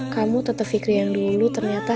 kamu tetap fikir yang dulu ternyata